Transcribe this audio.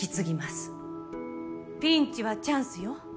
ピンチはチャンスよ。